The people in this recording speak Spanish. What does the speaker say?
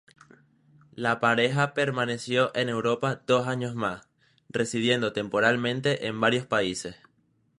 La pareja permaneció en Europa dos años más, residiendo temporalmente en varios países.